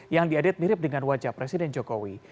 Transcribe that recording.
yang diadit mirip dengan wajah presiden jokowi